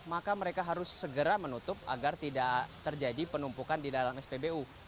maka mereka harus segera menutup agar tidak terjadi penumpukan di dalam spbu